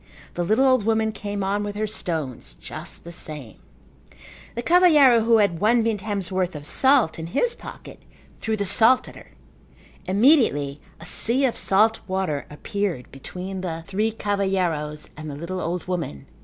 The little old woman came on with her stones just the same. The cavalheiro who had one vintem's worth of salt in his pocket threw the salt at her. Immediately a sea of salt water appeared between the three cavalheiros and the little old woman.